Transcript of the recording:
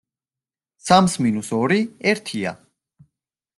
სამს მინუს ორი ერთია.